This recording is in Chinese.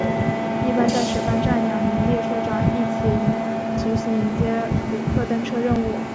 一般在始发站两名列车长一起执行迎接旅客登车任务。